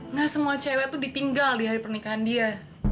nggak semua cewek tuh ditinggal di hari pernikahan dia